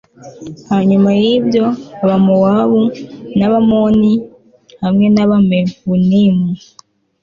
Hanyuma yibyo Abamowabu nAbamoni hamwe nAbamewunimu